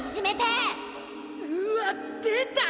うわっ出た！